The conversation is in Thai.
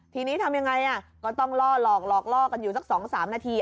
ทีนี้ทำยังไงก็ต้องล่อหลอกหลอกล่อกันอยู่สัก๒๓นาที